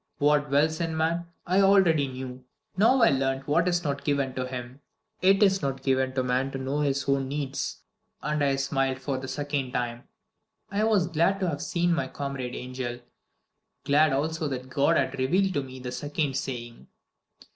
"What dwells in man I already knew. Now I learnt what is not given him. It is not given to man to know his own needs. And I smiled for the second time. I was glad to have seen my comrade angel glad also that God had revealed to me the second saying.